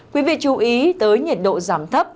quý vị chú ý tới nhiệt độ giảm thấp